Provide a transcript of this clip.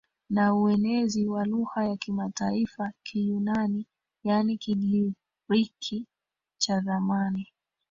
na uenezi wa lugha ya kimataifa Kiyunani yaani Kigiriki cha zamani